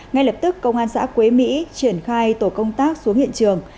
ngay lập tức công an xã quế mỹ triển khai tổ công tác xuống hiện trường